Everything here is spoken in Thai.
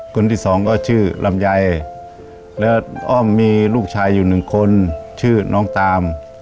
คนที่สองก็ชื่อลำไยแล้วอ้อมมีลูกชายอยู่หนึ่งคนชื่อน้องตาม